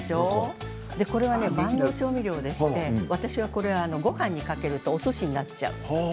万能調味料として私はこれごはんにかけるとおすしになっちゃう。